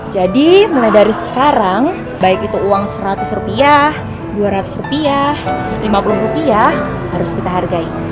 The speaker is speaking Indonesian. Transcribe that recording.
jadi mulai dari sekarang baik itu uang rp seratus rp dua ratus rp lima puluh harus kita hargai